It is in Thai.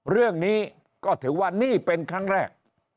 เรื่องนี้ก็ถือว่านี่เป็นครั้งแรก